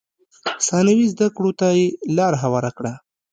ثانوي زده کړو ته یې لار هواره کړه.